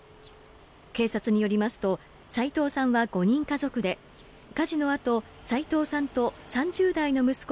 警察によりますと齋藤さんは５人家族で火事のあと齋藤さんと３０代の息子